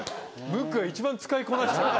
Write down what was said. ムックが一番使いこなしてる。